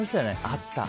あった。